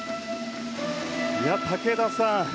武田さん